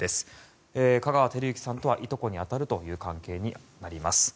香川照之さんとはいとこに当たる関係になります。